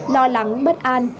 lo lắng bất an